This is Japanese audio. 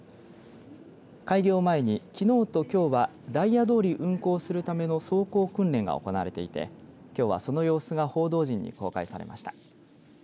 開業前にきのうときょうはダイヤどおり運行するための走行訓練が行われていてきょうはその様子が報道陣に公開されました。